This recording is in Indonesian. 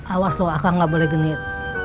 awas loh akan gak boleh genit